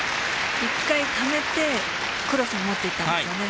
１回ためてクロスに持っていってますね。